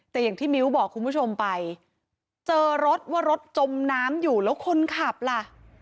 แต่อย่างที่มิ้วบอกคุณผู้ชมไปเจอรถว่ารถจมน้ำอยู่แล้วคนขับล่ะ